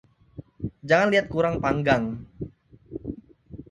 Jangat liat kurang panggang